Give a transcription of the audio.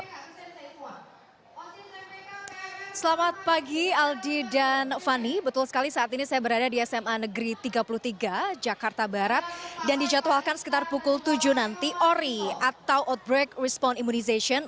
selamat pagi aldi dan fani betul sekali saat ini saya berada di sma negeri tiga puluh tiga jakarta barat dan dijadwalkan sekitar pukul tujuh nanti ori atau outbreak response immunization